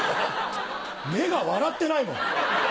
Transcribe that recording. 目が笑ってないもん。